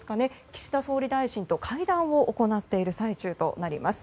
岸田総理大臣と会談を行っている最中となります。